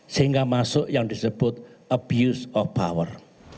sehingga masuk yang disebut abuse of power